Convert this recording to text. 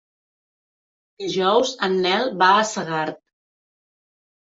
Dijous en Nel va a Segart.